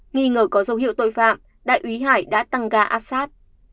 nghi ngờ có dấu hiệu tội phạm đại úy hải đã tăng ga áp sát